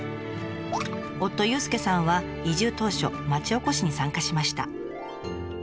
夫裕介さんは移住当初町おこしに参加しました。